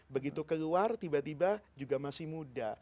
begitu keluar tiba tiba juga masih muda